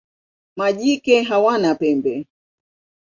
Majike hawana pembe.